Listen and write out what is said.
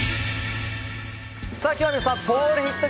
今日は皆さんポールヒット